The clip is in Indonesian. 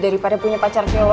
daripada punya pacar kayak lo